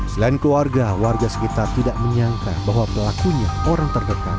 selain keluarga warga sekitar tidak menyangka bahwa pelakunya orang terdekat